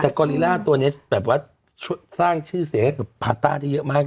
แต่กอลีล่าตัวนี้แบบว่าสร้างชื่อเสียงให้กับพาต้าได้เยอะมาก